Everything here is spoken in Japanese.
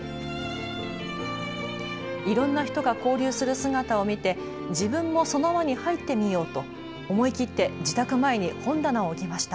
いろんな人が交流する姿を見て自分もその輪に入ってみようと思い切って自宅前に本棚を置きました。